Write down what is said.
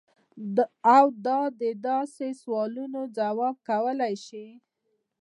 او د داسې سوالونو جواب کولے شي -